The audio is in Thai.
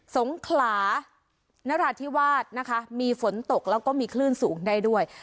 สงขลานราธิวาสนะคะมีฝนตกแล้วก็มีคลื่นสูงได้ด้วย